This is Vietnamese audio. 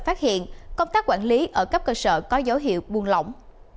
phát hiện công tác quản lý ở các cơ sở có dấu hiệu buồn lỏng